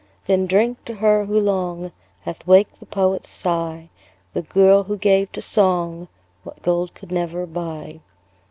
Then drink to her, who long Hath waked the poet's sigh, The girl, who gave to song What gold could never buy.